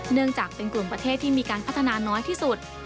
เนื่องจากเป็นกลุ่มประเทศที่มีการพัฒนาน้อยที่สุด